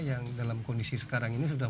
yang dalam kondisi sekarang ini sudah